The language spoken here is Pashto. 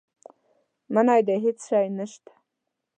منی دی هېڅ شی نه شته.